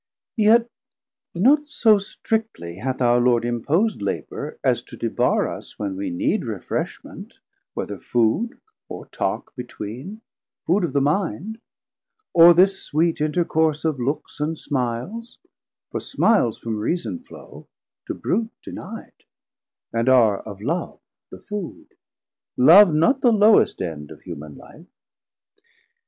Yet not so strictly hath our Lord impos'd Labour, as to debarr us when we need Refreshment, whether food, or talk between, Food of the mind, or this sweet intercourse Of looks and smiles, for smiles from Reason flow, To brute deni'd, and are of Love the food, 240 Love not the lowest end of human life.